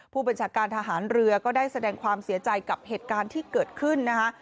ผู้บัญชาการทหารเรือก็ได้แสดงความเสียใจกับเหตุการณ์ที่เกิดขึ้นนะคะ